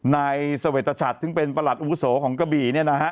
นายเสวตชัดซึ่งเป็นประหลัดอาวุโสของกระบี่เนี่ยนะฮะ